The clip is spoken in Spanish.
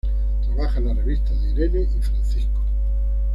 Trabaja en la revista de Irene y Francisco.